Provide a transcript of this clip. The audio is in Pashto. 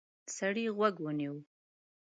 سړی غوږ ونیو.